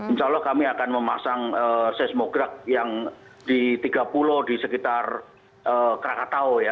insya allah kami akan memasang seismograg yang di tiga pulau di sekitar krakatau ya